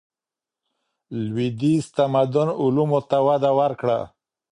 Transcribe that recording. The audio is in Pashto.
لوېدیځ تمدن علومو ته وده ورکړه.